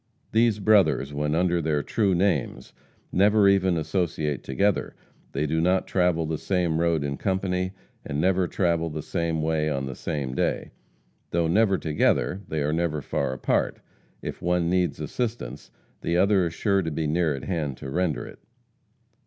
These brothers, when under their true names, never even associate together. They do not travel the same road in company, and never travel the same way on the same day. Though never together, they are never far apart. If one needs assistance the other is sure to be near at hand to render it.